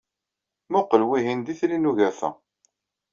Mmuqqel, wihin d Itri n Ugafa.